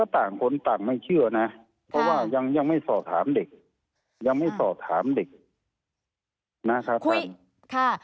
แต่ท่านไม่เชื่อนะเพราะว่ายังไม่สอบถามเด็กยังไม่สอบถามเด็กนะคะท่าน